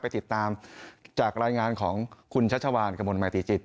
ติดตามจากรายงานของคุณชัชวานกระมวลมาติจิต